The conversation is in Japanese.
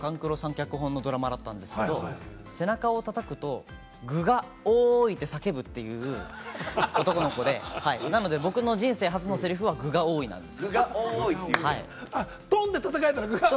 脚本のドラマだったんですけれども、背中を叩くと「具が多い！」って叫ぶ男の子で、なので僕の人生初のせりふは「具が多い」なんです。